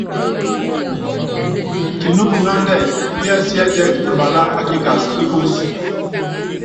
Kinúmiŋándɛ́ kiɛsiɛtɛ́k mbalá a kikas kí kúsí.